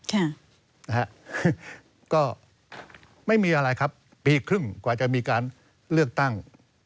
ค่ะนะฮะก็ไม่มีอะไรครับปีครึ่งกว่าจะมีการเลือกตั้ง